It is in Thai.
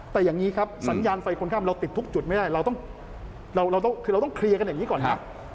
แต่อย่างนี้ครับสัญญาณไฟคนข้ามเราติดทุกจุดไม่ได้เราต้องเราคือเราต้องเคลียร์กันอย่างนี้ก่อนครับ